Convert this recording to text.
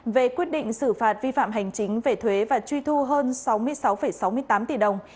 về quyết định xử phạt vi phạm hành chính về thuế và truy thu hơn sáu mươi sáu sáu mươi tám tỷ đồng